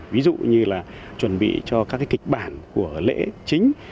ví dụ như là chuẩn bị cho các cái kịch bản của lễ chính